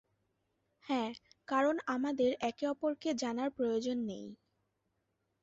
হ্যাঁ, কারণ আমাদের একে অপরকে জানার প্রয়োজন নেই।